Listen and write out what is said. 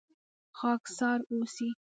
خاکسار اوسئ